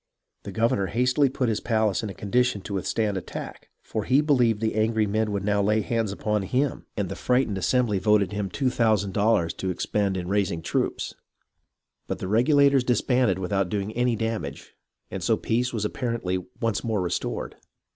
The governor hastily put his palace in a condition to withstand an attack, for he believed the angry men would now lay hands upon him, and the frightened assem bly voted him two thousand dollars to expend in raising troops ; but the Regulators disbanded without doing any damage, and so peace was apparently once more restored.